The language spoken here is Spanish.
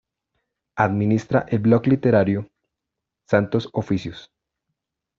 Administra el blog literario Santos Oficios.